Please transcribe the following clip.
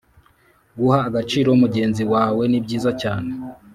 guha agaciro mugenzi wawe nibyiza cyane